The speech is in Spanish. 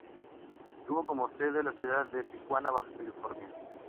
Tuvo como sede la ciudad de Tijuana, Baja California.